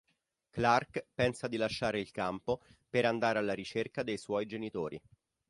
Clarke pensa di lasciare il campo per andare alla ricerca dei suoi genitori.